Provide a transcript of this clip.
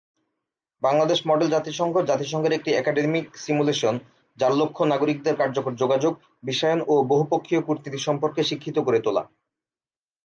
Bangladesh model জাতিসংঘ জাতিসংঘের একটি একাডেমিক সিমুলেশন যার লক্ষ্য নাগরিকদের কার্যকর যোগাযোগ, বিশ্বায়ন ও বহুপক্ষীয় কূটনীতি সম্পর্কে শিক্ষিত করে তোলা।